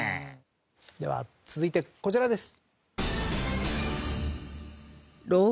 では続いてこちらです。